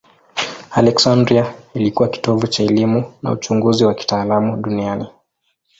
Aleksandria ilikuwa kitovu cha elimu na uchunguzi wa kitaalamu duniani.